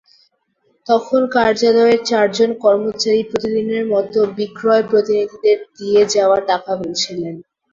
তখন কার্যালয়ের চারজন কর্মচারী প্রতিদিনের মতো বিক্রয় প্রতিনিধিদের দিয়ে যাওয়া টাকা গুনছিলেন।